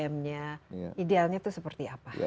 pm nya idealnya itu seperti apa